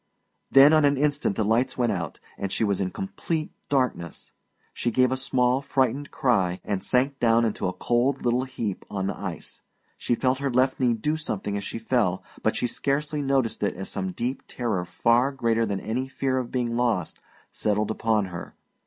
Then on an instant the lights went out, and she was in complete darkness. She gave a small, frightened cry, and sank down into a cold little heap on the ice. She felt her left knee do something as she fell, but she scarcely noticed it as some deep terror far greater than any fear of being lost settled upon her.